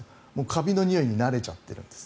カビのにおいに慣れちゃってるんです。